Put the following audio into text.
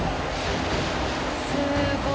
すごい。